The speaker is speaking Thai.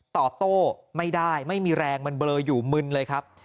ตอบโต้ไม่ได้ไม่มีแรงมันเบลออยู่มึนเลยครับ